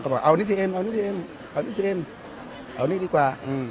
ก็บอกเอานี่สิเอมเอานี่สิเอมเอานี่ดีกว่า